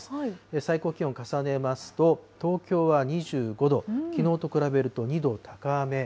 最高気温重ねますと、東京は２５度、きのうと比べると２度高め。